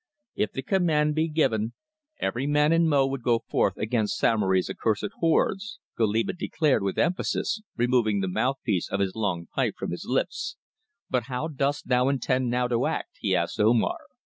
"If the command be given every man in Mo would go forth against Samory's accursed hordes," Goliba declared with emphasis, removing the mouthpiece of his long pipe from his lips. "But how dost thou intend now to act?" he asked Omar.